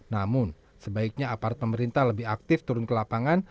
namun sebaiknya aparat pemerintah lebih aktif turun ke lapangan